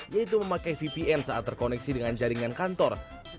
yaitu memakai vpn saat terkoneksi dengan jaringan kantor